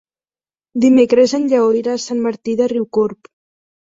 Dimecres en Lleó irà a Sant Martí de Riucorb.